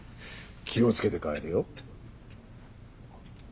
気をつけて帰れよ。